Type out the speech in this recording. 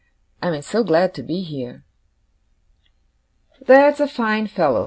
'I am so glad to be here.' 'That's a fine fellow!